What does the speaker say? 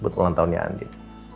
buat ulang tahunnya andin